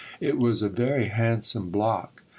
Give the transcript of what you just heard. It was a very handsome block.